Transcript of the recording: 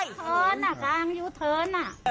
ชนอ่ะกลางอยู่เทินน่ะ